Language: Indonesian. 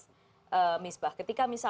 ketika misalnya sekarang udah dikumpulkan